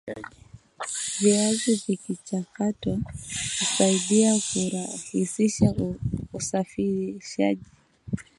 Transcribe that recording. viazi vikichakatwa husaidia kurahisisha usafirishaji